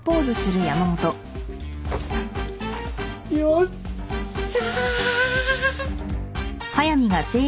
よっしゃ。